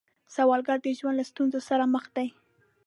سوالګر د ژوند له ستونزو سره مخ دی